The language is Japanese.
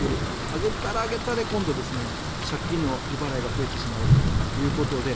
上げたら上げたで今度借金の利払いが増えてしまうということで。